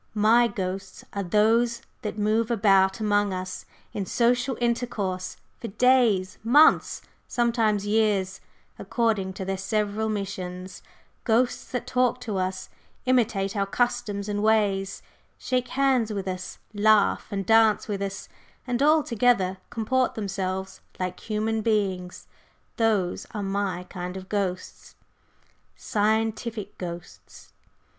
My ghosts are those that move about among us in social intercourse for days, months sometimes years according to their several missions; ghosts that talk to us, imitate our customs and ways, shake hands with us, laugh and dance with us, and altogether comport themselves like human beings. Those are my kind of ghosts 'scientific' ghosts.